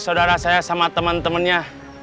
saudara saya sama temen temennya